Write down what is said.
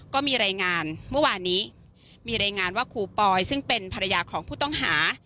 ก็มีรายงานเมื่อวานนี้มีรายงานว่าครูปอยซึ่งเป็นภรรยาของผู้ต้องหา